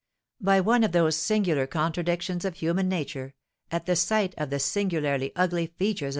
By one of those singular contradictions of human nature, at the sight of the singularly ugly features of M.